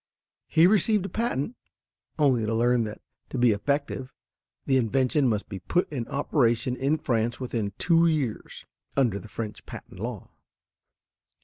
He received a patent, only to learn that to be effective the invention must be put in operation in France within two years, under the French patent law.